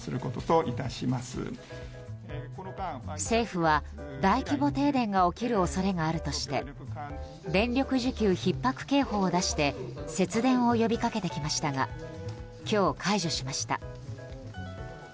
政府は大規模停電が起きる恐れがあるとして電力需給ひっ迫警報を出して節電を呼びかけてきましたが今日、解除しました。